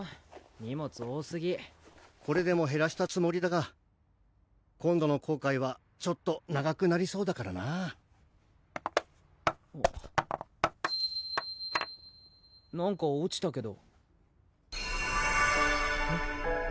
荷物多すぎこれでもへらしたつもりだが今度の航海はちょっと長くなりそうだ何か落ちたけどえっ？